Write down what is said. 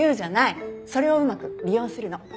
それをうまく利用するの。